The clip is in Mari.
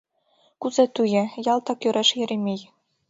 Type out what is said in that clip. — Кузе-туге? — ялтак ӧреш Еремей.